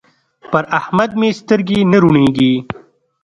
پر احمد مې سترګې نه روڼېږي.